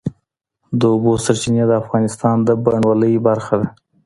د اوبو سرچینې د افغانستان د بڼوالۍ برخه ده.